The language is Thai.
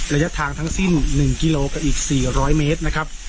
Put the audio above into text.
ระยะทางทั้งสิ้น๑กิโลกับอีก๔๐๐เมตรนะครับ